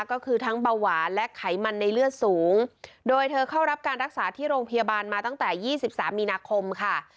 ก็คือทั้งเบาหวานและไขมันในเลือดสูงโดยเธอเข้ารับการรักษาที่โรงพยาบาลมาตั้งแต่๒๓มีนาคมค่ะ